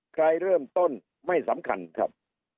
ใครเริ่มต้นไม่สำคัญครับ